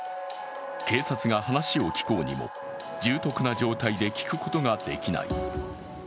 警察が話を聞こうにも重篤な状態で聞くことができない。